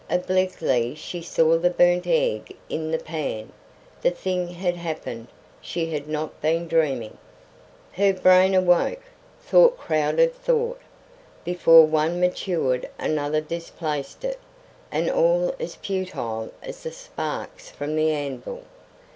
Obliquely she saw the burnt egg in the pan. The thing had happened; she had not been dreaming. Her brain awoke. Thought crowded thought; before one matured another displaced it; and all as futile as the sparks from the anvil.